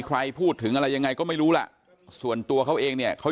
ใครพูดถึงอะไรยังไงก็ไม่รู้ล่ะส่วนตัวเขาเองเนี่ยเขา